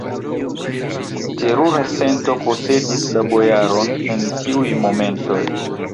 Terura sento posedis la bojaron en tiuj momentoj!